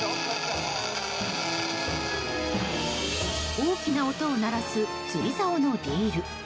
大きな音を鳴らす釣りざおのリール。